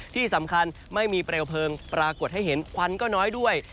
ที่สำคัญไม่มีเปลวเพลิงปรากฏให้เห็นควันก็น้อยด้วย